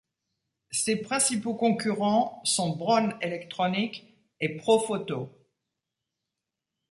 Ses principaux concurrents sont Bron Elektronik et Profoto.